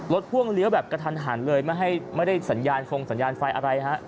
พ่วงเลี้ยวแบบกระทันหันเลยไม่ให้ไม่ได้สัญญาณฟงสัญญาณไฟอะไรฮะ